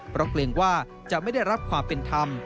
เพราะเกรงว่าจะไม่ได้รับความเป็นธรรม